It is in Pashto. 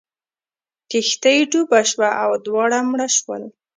کښتۍ ډوبه شوه او دواړه مړه شول.